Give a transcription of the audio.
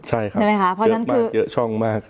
ใช่ครับเยอะช่องมาก